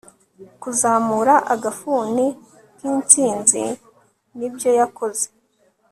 kuzamura agafuni k'intsinzi nibyo yakoze